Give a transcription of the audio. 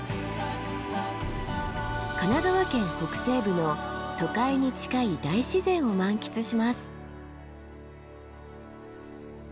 神奈川県北西部の都会に近い大自然を満喫します。